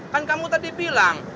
kan kamu tadi bilang